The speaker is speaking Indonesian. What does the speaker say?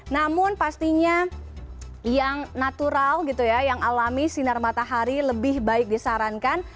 namun pastinya yang natural gitu ya yang alami sinar matahari lebih baik disarankan